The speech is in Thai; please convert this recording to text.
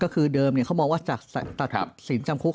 เขาสินจำคุก